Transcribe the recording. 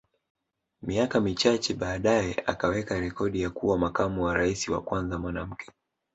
Miaka michache baadae akaweka rekodi ya kuwa makamu wa Rais wa kwanza mwanamke